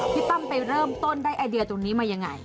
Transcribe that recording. ปั้มไปเริ่มต้นได้ไอเดียตรงนี้มายังไง